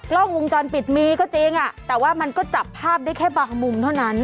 กล้องวงจรปิดมีก็จริงแต่ว่ามันก็จับภาพได้แค่บางมุมเท่านั้น